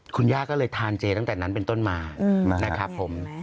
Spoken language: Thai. คุณย่าก็เลยทานเจตั้งแต่นั้นเป็นต้นมานะครับผม